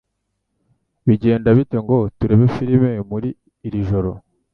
Bigenda bite ngo turebe firime muri iri joro?